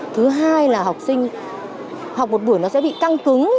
thứ hai là học sinh học một buổi nó sẽ bị tăng cứng